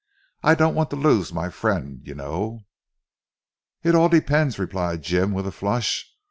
"I don't want to lose my friend you know." "It all depends," replied Jim with a flush.